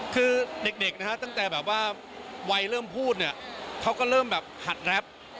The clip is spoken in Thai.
คือเด็กนะฮะตั้งแต่แบบว่าวัยเริ่มพูดเนี่ยเขาก็เริ่มแบบหัดแรป